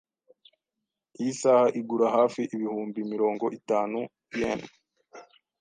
Iyi saha igura hafi ibihumbi mirongo itanu yen .